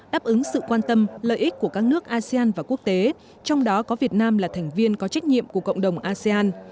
đáp ứng sự quan tâm lợi ích của các nước asean và quốc tế trong đó có việt nam là thành viên có trách nhiệm của cộng đồng asean